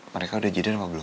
mereka udah jadi apa belum